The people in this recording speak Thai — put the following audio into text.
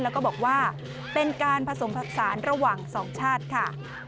แล้วก็บอกว่าเป็นการผสมผสานระหว่างสองชาติค่ะ